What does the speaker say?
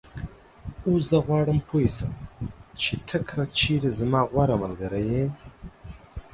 اوس زه غواړم پوی شم چې ته که چېرې زما غوره ملګری یې